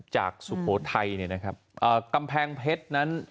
จากสุโปรดไทยเนี่ยนะครับอ่ากำแพงเพชรนั้น